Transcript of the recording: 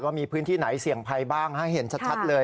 ว่ามีพื้นที่ไหนเสี่ยงภัยบ้างให้เห็นชัดเลย